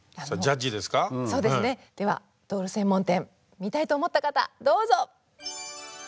では「ドール専門店」見たいと思った方どうぞ！